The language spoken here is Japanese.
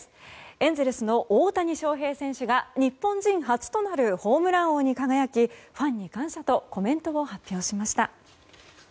エンゼルスの大谷翔平選手が日本人初となるホームラン王に輝きファンに感謝とコメントを発表しました。